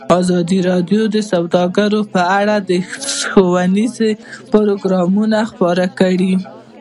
ازادي راډیو د سوداګري په اړه ښوونیز پروګرامونه خپاره کړي.